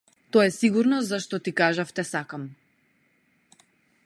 Тоа е сигурно зашто ти кажав те сакам.